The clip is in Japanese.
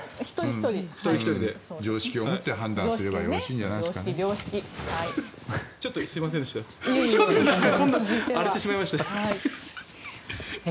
常識を持って判断すればよろしいんじゃないですかね。